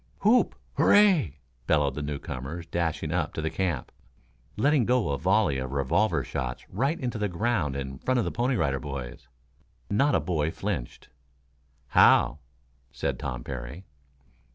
"Whoop! Hooray!" bellowed the newcomers, dashing up to the camp, letting go a volley of revolver shots right into the ground in front of the Pony Rider Boys. Not a boy flinched. "How!" said Tom Parry.